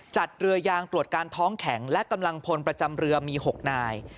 เรือยางตรวจการท้องแข็งและกำลังพลประจำเรือมี๖นาย